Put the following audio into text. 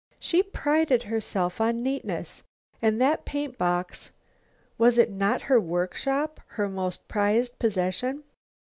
She prided herself on neatness. And that paint box, was it not her work shop, her most prized possession?